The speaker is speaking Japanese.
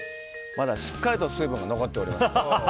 まだしっかりと水分が残っておりますね。